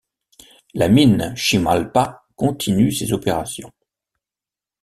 La mine Chimalpa continue ses opérations.